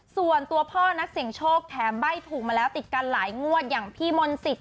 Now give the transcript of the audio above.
ส่วนตัวพ่อนักเสี่ยงโชคแถมใบ้ถูกมาแล้วติดกันหลายงวดอย่างพี่มนต์สิทธิ